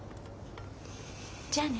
じゃあね。